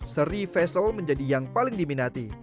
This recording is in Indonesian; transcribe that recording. seri vessel menjadi yang paling diminati